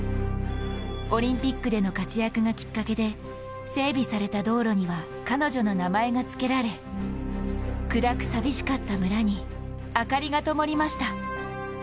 オリンピックでの活躍がきっかけで整備された道路には彼女の名前がつけられ暗くさみしかった村に明かりがともりました。